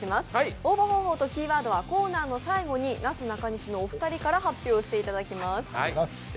応募方法とキーワードはコーナーの最後になすなかにしのお二人から発表していただきます。